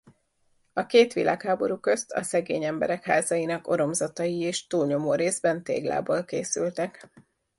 A két világháború közt a szegény emberek házainak oromzatai is túlnyomó részben téglából készültek.